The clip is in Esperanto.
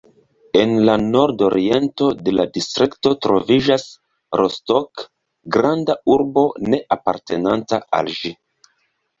En la nordoriento de la distrikto troviĝis Rostock, granda urbo ne apartenanta al ĝi.